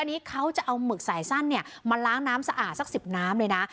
อันนี้เขาจะเอาหมึกสายสั้นมาล้างน้ำสะอาดสัก๑๐น้ำเลยนะ